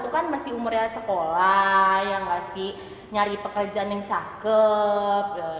dua puluh satu kan masih umurnya sekolah yang masih nyari pekerjaan yang cakep